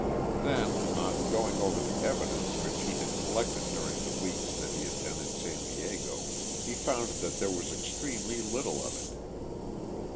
Then, on going over the evidence which he had collected during the weeks that he had been in San Diego, he found that there was extremely little of it.